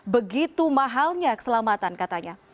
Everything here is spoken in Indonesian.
begitu mahalnya keselamatan katanya